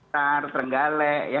tar trenggale ya